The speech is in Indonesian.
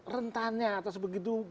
rentannya atau sebegitu